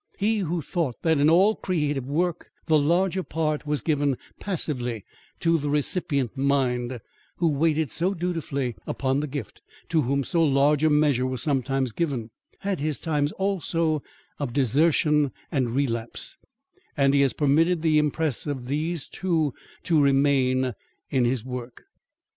He who thought that in all creative work the larger part was given passively, to the recipient mind, who waited so dutifully upon the gift, to whom so large a measure was sometimes given, had his times also of desertion and relapse; and he has permitted the impress of these too to remain in his work.